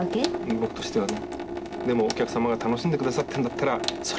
僕としてはね。